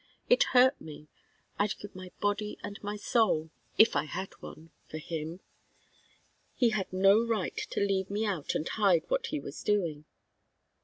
It hurt me. I'd give my body and my soul if I had one for him. He had no right to leave me out and hide what he was doing."